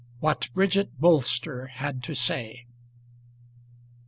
WHAT BRIDGET BOLSTER HAD TO SAY.